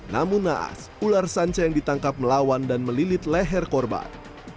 namun naas ular sanca yang ditangkap melawan dan melilit leher korban